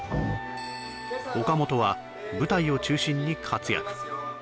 岡本は舞台を中心に活躍